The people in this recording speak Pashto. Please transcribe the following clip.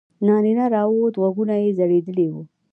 نارینه راووت غوږونه یې ځړېدلي وو.